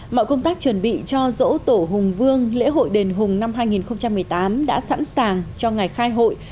mọi công tác chuẩn bị cho dỗ tổ hùng vương lễ hội đền hùng năm hai nghìn một mươi tám đã sẵn sàng cho ngày khai hội